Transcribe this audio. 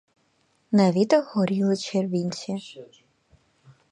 На вітах горіли червінці.